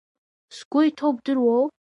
Сгәы иҭоу бдыруоу?